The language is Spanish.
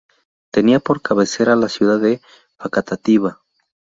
Tenía por cabecera a la ciudad de Facatativá.